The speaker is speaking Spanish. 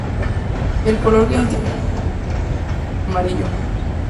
El color que identifica al club es el verde y amarillo.